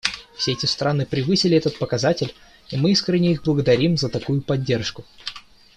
Все эти страны превысили этот показатель, и мы искренне их благодарим за такую поддержку.